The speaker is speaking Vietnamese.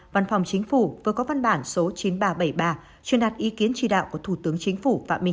văn phòng chính phủ vừa có văn bản số chín nghìn ba trăm bảy mươi ba truyền đạt ý kiến chỉ đạo của thủ tướng chính phủ phạm minh